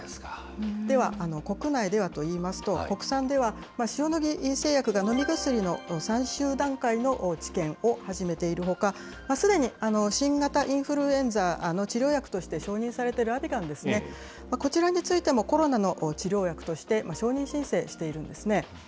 では、国内ではといいますと、国産では、塩野義製薬が飲み薬の最終段階の治験を始めているほか、すでに新型インフルエンザの治療薬として承認されているアビガンですね、こちらについてもコロナの治療薬として、承認申請しているんですね。